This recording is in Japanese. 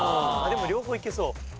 でも両方いけそう。